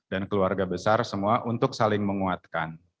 dan keluarga besar semua untuk saling menguatkan